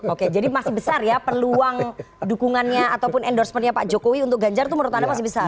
oke jadi masih besar ya peluang dukungannya ataupun endorsementnya pak jokowi untuk ganjar itu menurut anda masih besar